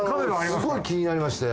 すごい気になりまして。